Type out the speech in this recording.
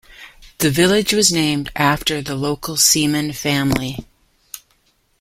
The village was named after the local Seaman family.